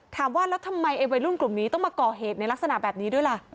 ถามว่าแล้วทำไมไอ้วัยรุ่นกลุ่มนี้ต้องมาก่อเหตุในลักษณะแบบนี้ด้วยล่ะ